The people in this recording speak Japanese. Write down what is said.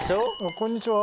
こんにちは。